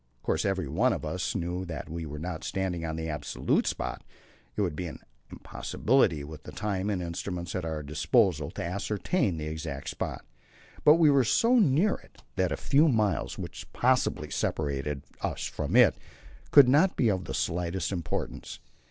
Of course, every one of us knew that we were not standing on the absolute spot; it would be an impossibility with the time and the instruments at our disposal to ascertain that exact spot. But we were so near it that the few miles which possibly separated us from it could not be of the slightest importance.